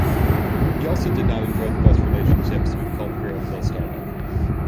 He also did not enjoy the best of relationships with cult hero Phil Starbuck.